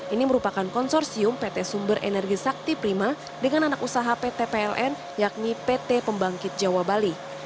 ini merupakan konsorsium pt sumber energi sakti prima dengan anak usaha pt pln yakni pt pembangkit jawa bali